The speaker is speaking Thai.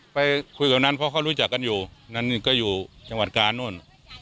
ไปคุยกับนั้นเพราะเขารู้จักกันอยู่นั้นก็อยู่จังหวัดกาลนู่น